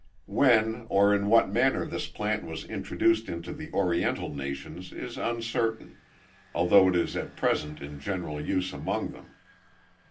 When, or in what manner this plant was introduced into the oriental nations is uncertain, although it is at present in general use among them.